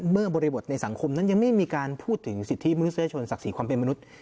บริบทในสังคมนั้นยังไม่มีการพูดถึงสิทธิมนุษยชนศักดิ์ศรีความเป็นมนุษย์